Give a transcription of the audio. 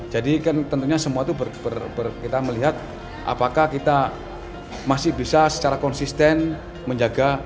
kan tentunya semua itu kita melihat apakah kita masih bisa secara konsisten menjaga